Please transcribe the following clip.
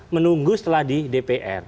menunggu setelah di dpr